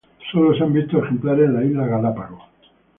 Solo se han visto ejemplares en las islas Galápagos.